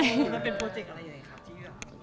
แล้วเป็นโปรเจกต์อะไรอยู่ในครับที่นี่